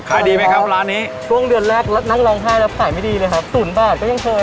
ขายดีไหมครับร้านนี้ช่วงเดือนแรกแล้วนั่งร้องไห้แล้วขายไม่ดีเลยครับ๐บาทก็ยังเคย